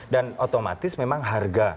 dan otomatis memang harga